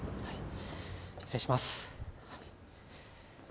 失礼します。